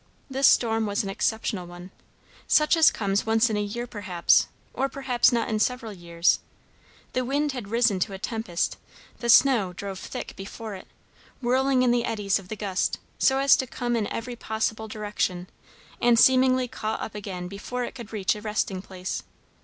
This storm was an exceptional one; such as comes once in a year perhaps, or perhaps not in several years. The wind had risen to a tempest; the snow drove thick before it, whirling in the eddies of the gust, so as to come in every possible direction, and seemingly caught up again before it could reach a resting place.